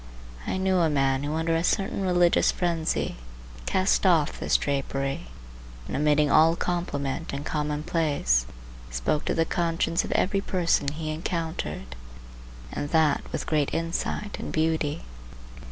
I knew a man who under a certain religious frenzy cast off this drapery, and omitting all compliment and commonplace, spoke to the conscience of every person he encountered, and that with great insight and beauty.